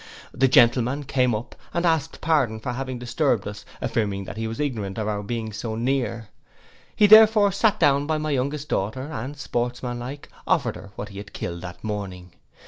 The gentleman came up, and asked pardon for having disturbed us, affirming that he was ignorant of our being so near. He therefore sate down by my youngest daughter, and, sportsman like, offered her what he had killed that morning.